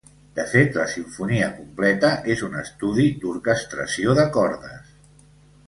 De fet la simfonia completa és un estudi d'orquestració de cordes.